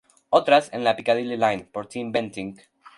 Otras, en la Piccadilly Line, por Tim Bentinck.